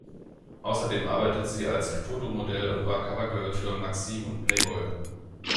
Außerdem arbeitet sie als Fotomodel und war Covergirl für "Maxim" und "Playboy".